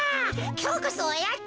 きょうこそおやつ。